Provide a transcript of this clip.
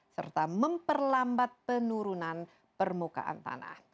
serta memperlambat penurunan permukaan tanah